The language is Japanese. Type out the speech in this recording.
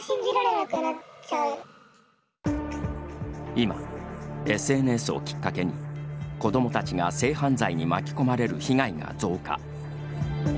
今、ＳＮＳをきっかけに子どもたちが性犯罪に巻き込まれる被害が増加。